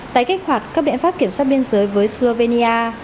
tái kích hoạt các biện pháp kiểm soát biên giới với slovenia